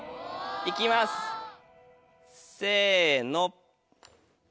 行きますせの。